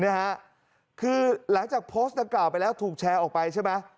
นะฮะคือหลังจากโพสต์ดังกล่าวไปแล้วถูกแชร์ออกไปใช่ไหม